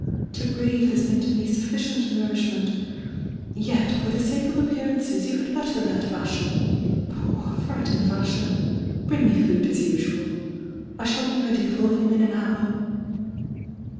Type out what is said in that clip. To breathe has been to me sufficient nourishment — ^yet for the s^e of appearances you had better let Vasho — ^poor frightened Vasho! — ^bring me food as usuai. I diall be ready for him in an hour."